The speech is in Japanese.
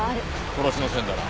殺しの線だな。